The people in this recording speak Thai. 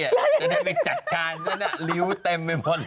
อย่ายิ้ม